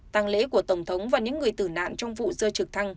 tăng lễ của tổng thống và những người tử nạn trong vụ rơi trực thăng